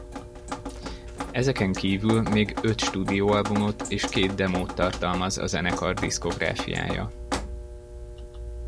Ezeken kívül még öt stúdióalbumot és két demót tartalmaz a zenekar diszkográfiája.